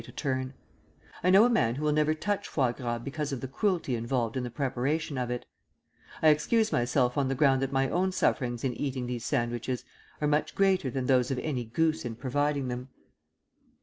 On this afternoon I was giving the foie gras plate a turn. I know a man who will never touch foie gras because of the cruelty involved in the preparation of it. I excuse myself on the ground that my own sufferings in eating these sandwiches are much greater than those of any goose in providing them.